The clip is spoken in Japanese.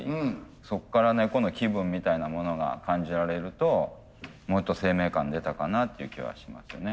そっから猫の気分みたいなものが感じられるともっと生命感出たかなっていう気はしますね。